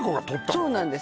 そうなんです